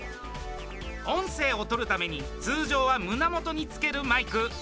音声をとるために通常は胸元に付けるマイク。